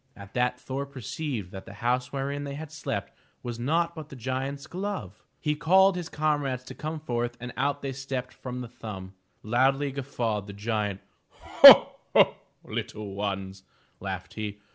At that Thor perceived that the house wherein they had slept was naught but the giant's glove! He called his comrades to come forth and out they stepped from the thumb! Loudly guf fawed the giant. "Ho, ho! little ones!" laughed he.